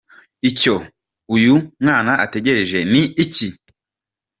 Icyo uyu mwana ategereje ni iki ?.